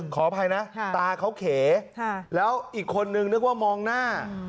ขออภัยนะตาเขาเขแล้วอีกคนนึงนึกว่ามองหน้า